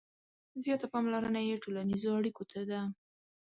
• زیاته پاملرنه یې ټولنیزو اړیکو ته ده.